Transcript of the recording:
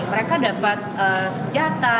mereka dapat sejata